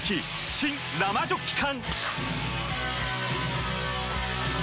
新・生ジョッキ缶！